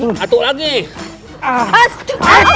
iya udah tunggu